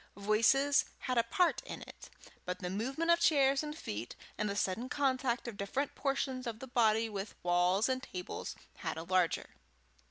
Voices had a part in it, but the movement of chairs and feet and the sudden contact of different portions of the body with walls and tables, had a larger.